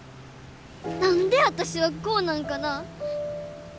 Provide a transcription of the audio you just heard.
何で私はこうなんかな。